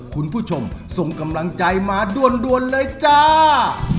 คุณผู้ชมส่งกำลังใจมาด้วนเลยจ้า